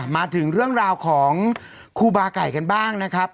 มาถึงเรื่องราวของครูบาไก่กันบ้างนะครับ